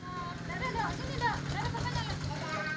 tidak ada yang mau